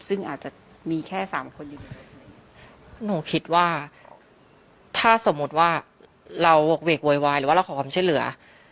ซึ่งอาจจะมีแค่สามคนอยู่หนูคิดว่าถ้าสมมุติว่าเราโหกเวกโวยวายหรือว่าเราขอความช่วยเหลือ